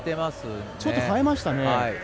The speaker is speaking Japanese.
ちょっとかえましたね。